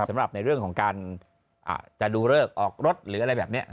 สำหรับในเรื่องของการจะดูเลิกออกรถหรืออะไรแบบนี้